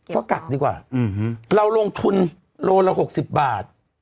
ก็กักดีกว่าเราลงทุนโลละ๖๐บาท